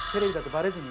バレずに？